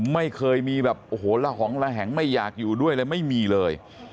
ไม่เคยมีแบบโอ้โหละหองระแหงไม่อยากอยู่ด้วยเลยไม่มีเลย